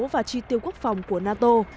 và chi tiêu quốc phòng của nato